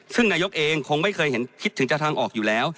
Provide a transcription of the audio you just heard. ซึ่งนายกเองคงไม่เคยเห็นคิดถึงจะทางออกอยู่แล้ว